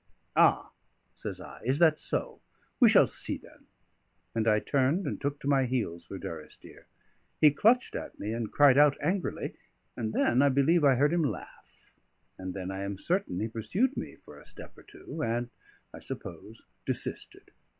"Ah!" says I. "Is that so? We shall see then!" And I turned and took to my heels for Durrisdeer. He clutched at me, and cried out angrily, and then I believe I heard him laugh, and then I am certain he pursued me for a step or two, and (I suppose) desisted.